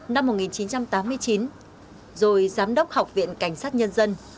năm một nghìn chín trăm tám mươi chín rồi giám đốc học viện cảnh sát nhân dân